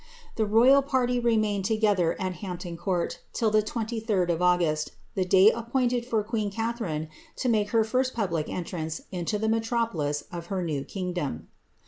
The royiJ party remained together at Hampton Court till the 23d of August, the day appointed for queen Catharine to make her first public entrance iolo the metropolis of her new kingdom.